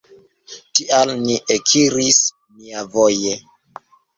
Tial ni ekiris niavoje.